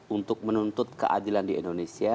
untuk menuntut keadilan di indonesia